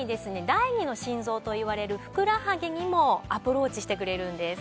第二の心臓といわれるふくらはぎにもアプローチしてくれるんです。